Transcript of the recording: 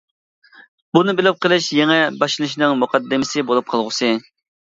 بۇنى بىلىپ قېلىش يېڭى باشلىنىشنىڭ مۇقەددىمىسى بولۇپ قالغۇسى.